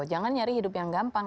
jangan nyari hidup yang gampang